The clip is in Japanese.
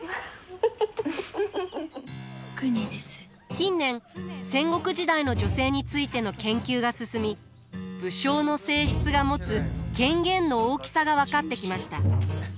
近年戦国時代の女性についての研究が進み武将の正室が持つ権限の大きさが分かってきました。